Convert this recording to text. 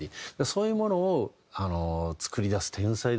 そういうものを作り出す天才ですよね